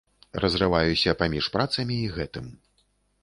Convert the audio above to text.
Разрываюся паміж працамі і гэтым.